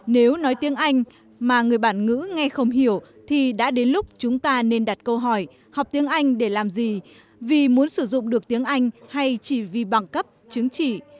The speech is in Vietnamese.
nếu nói tiếng anh mà người bản ngữ nghe không hiểu thì đã đến lúc chúng ta nên đặt câu hỏi học tiếng anh để làm gì vì muốn sử dụng được tiếng anh hay chỉ vì bằng cấp chứng chỉ